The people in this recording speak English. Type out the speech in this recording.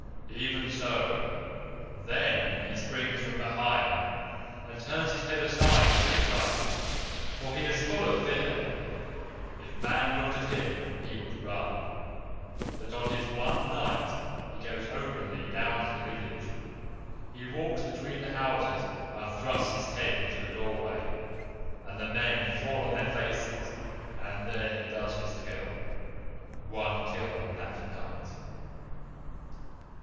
"Even so. THEN he springs from behind and turns his head aside as he strikes, for he is full of fear. If Man looked at him he would run. But on his one Night he goes openly down to the village. He walks between the houses and thrusts his head into the doorway, and the men fall on their faces, and there he does his kill. One kill in that Night."